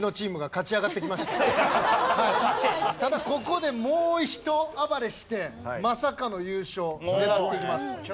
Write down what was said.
ただここでもうひと暴れしてまさかの優勝狙っていきます。